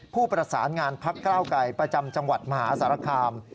ผู้ประสานงานพักก้าวไกรประจำจังหวัดมหาสารคาม